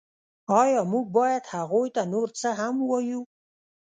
ایا موږ باید هغوی ته نور څه هم ووایو